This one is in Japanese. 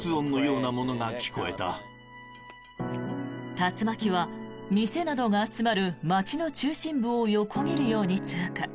竜巻は店などが集まる街の中心部を横切るように通過。